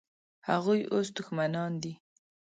هغوی اوس دښمنان دي.